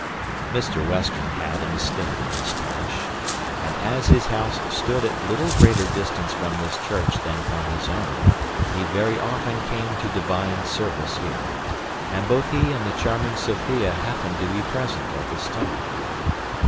Mr Western had an estate in this parish; and as his house stood at little greater distance from this church than from his own, he very often came to Divine Service here; and both he and the charming Sophia happened to be present at this time.